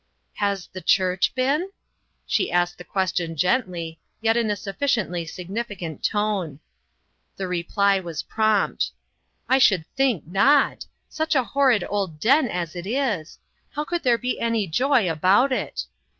" Has the church been ?" She asked the question gently, yet in a sufficiently signifi cant tone. The reply was prompt. " I should think not ! Such a horrid old den as it is! How could there be any joy about it!"